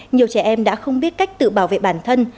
nhiều trẻ em đã không biết cách tự bảo vệ bản thân